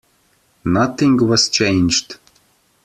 Nothing was changed.